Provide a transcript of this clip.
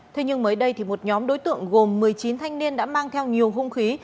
thế nhưng mới đây thì một nhóm đối tượng gồm một mươi chín thanh niên đã mang theo nhiều hung khí